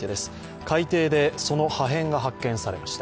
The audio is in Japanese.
海底でその破片が発見されました。